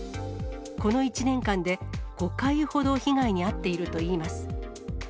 この１年間で５回ほど被害に遭っているといいます。